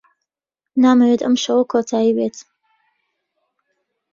نامەوێت ئەم شەوە کۆتایی بێت.